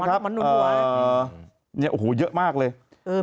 โอ้โหเยอะมากเลย